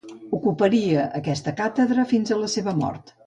Ocuparia aquesta càtedra fins a la seva mort.